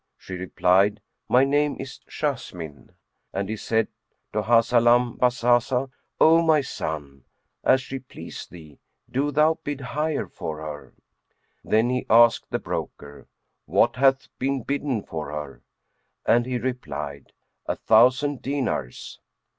She replied, "My name is Jessamine;" and he said to Hahzalam Bazazah, "O my son, as she please thee, do thou bid higher for her." Then he asked the broker, "What hath been bidden for her?" and he replied, "A thousand dinars."